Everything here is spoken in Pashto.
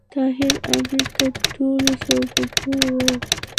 طاهر آمین ته ټولو سوربګی ویل